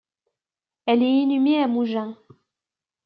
Elle est inhumée à Mougins.